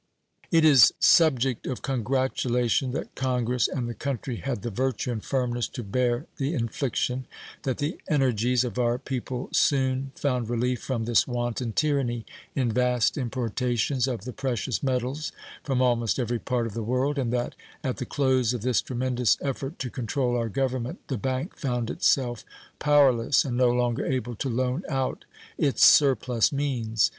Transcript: It is subject of congratulation that Congress and the country had the virtue and firmness to bear the infliction, that the energies of our people soon found relief from this wanton tyranny in vast importations of the precious metals from almost every part of the world, and that at the close of this tremendous effort to control our Government the bank found itself powerless and no longer able to loan out its surplus means.